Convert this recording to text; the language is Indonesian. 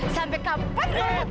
sampai kapan kamu memperas